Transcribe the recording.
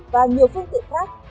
và nhiều phương tiện khác